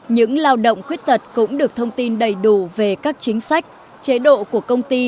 những lao động khuyết tật cũng được thông tin đầy đủ về các chính sách chế độ của công ty